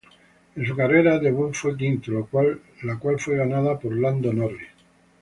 En su carrera debut fue quinto, la cual fue ganada por Lando Norris.